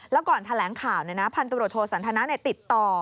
แล้วก่อนแถลงข่าวพันตำรวจโทสันทนาติดต่อ